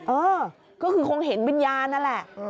เออก็คือคงเห็นวิญญาณนั่นแหละ